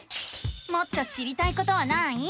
もっと知りたいことはない？